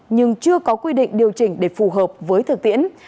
nhưng chưa có quy định điều chỉnh để phù hợp với thực tiễn